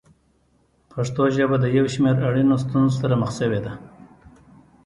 پښتو ژبه د یو شمېر اړینو ستونزو سره مخ شوې ده.